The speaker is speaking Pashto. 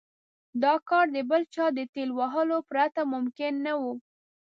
دا کار د بل چا د ټېل وهلو پرته ممکن نه و.